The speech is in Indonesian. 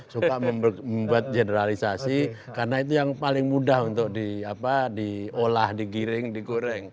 suka membuat generalisasi karena itu yang paling mudah untuk diolah digiring digoreng